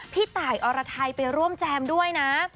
พี่ตายอรไทยไปร่วมแจมด้วยนะ